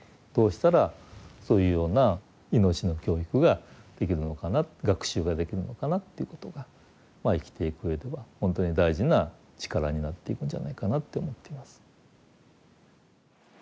どうしたらそういうような命の教育ができるのかな学習ができるのかなっていうことが生きていくうえでは本当に大事な力になっていくんじゃないかなって思っています。